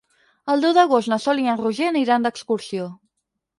El deu d'agost na Sol i en Roger aniran d'excursió.